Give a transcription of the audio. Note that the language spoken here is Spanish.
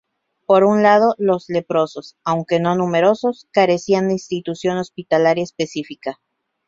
Por un lado, los leprosos, aunque no numerosos, carecían de institución hospitalaria específica.